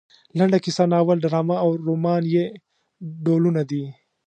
لنډه کیسه ناول ډرامه او رومان یې ډولونه دي.